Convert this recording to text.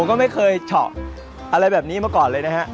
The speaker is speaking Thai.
ก็ไม่เคยเฉาะอะไรแบบนี้มาก่อนเลยนะฮะ